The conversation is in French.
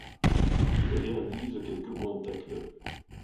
Il réalise quelques bons tacles.